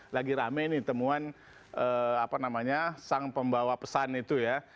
lagi rame ini temuan sang pembawa pesan itu ya